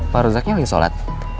pak rojaknya lagi sholat